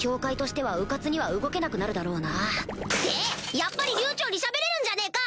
やっぱり流暢にしゃべれるんじゃねえか！